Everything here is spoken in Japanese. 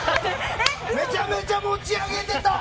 めちゃめちゃ持ち上げてた！